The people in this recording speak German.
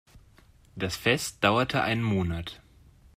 Das Fest dauerte einen Monat.